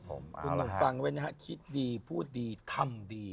คุณหนับทางไว้นะครับคิดดีพูดดีทำดี